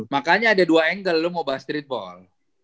makanya ada dua angle lu mau bahas streetball